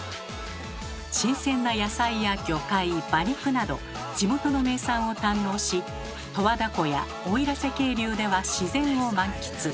新鮮な野菜や魚介馬肉など地元の名産を堪能し十和田湖や奥入瀬渓流では自然を満喫。